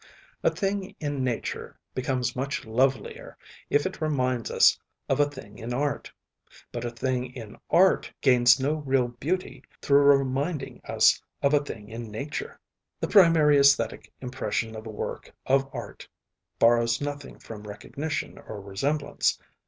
A thing in Nature becomes much lovelier if it reminds us of a thing in Art, but a thing in Art gains no real beauty through reminding us of a thing in Nature. The primary aesthetic impression of a work of art borrows nothing from recognition or resemblance.